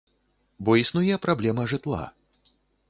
Бо існуе праблема жытла.